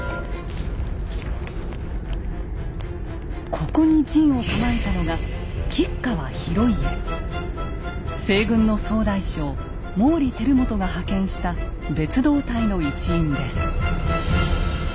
ここに陣を構えたのが西軍の総大将毛利輝元が派遣した別動隊の一員です。